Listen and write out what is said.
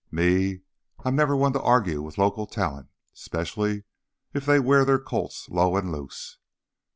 "Me, I'm never one to argue with local talent, specially if they wear their Colts low and loose.